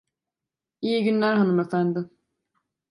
İyi günler hanımefendi.